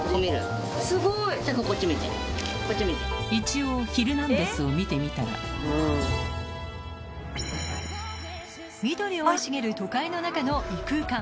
一応『ヒルナンデス！』を見てみたら緑生い茂る都会の中の異空間。